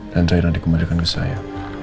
dan rai yang dikembalikan ke saya